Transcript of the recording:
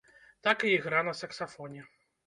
Так і ігра на саксафоне!